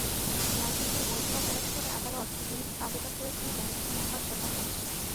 লাইসেন্সের বৈধতা চ্যালেঞ্জ করে আদালতে রিট আবেদন করেছিলেন ব্যারিস্টার মুহম্মদ ওমর ফারুক।